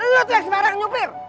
lo tuh yang sembarang nyupir